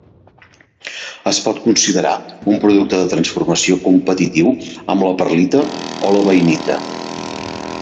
Es pot considerar un producte de transformació competitiu amb la perlita o la bainita.